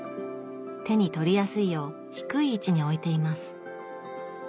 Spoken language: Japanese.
手に取りやすいよう低い位置に置いています